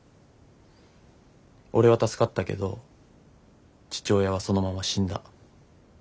俺は助かったけど父親はそのまま死んだ。